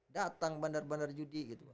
datang bandar bandar judi gitu